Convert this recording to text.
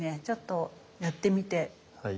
ちょっとやってみて。